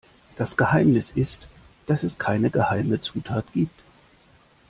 Das Geheimnis ist, dass es keine geheime Zutat gibt.